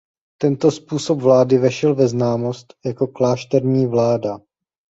Tento způsob vlády vešel ve známost jako "klášterní vláda".